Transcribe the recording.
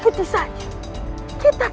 kalian saja gak lihat